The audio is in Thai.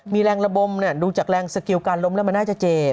มีแรงระบมดูจากแรงสกิลการล้มแล้วมันน่าจะเจ็บ